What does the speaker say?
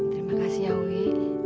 terima kasih ya wih